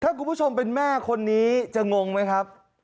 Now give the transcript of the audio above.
ถ้าคุณผู้ชมเป็นแม่คนนี้จะงงไหมครับ